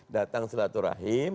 datang selatur rahim